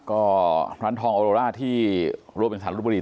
ก็ร้านทองอโอโลร่าที่โรบเป็นสารลบบุรี